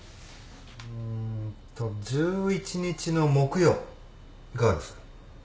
うんと１１日の木曜いかがです？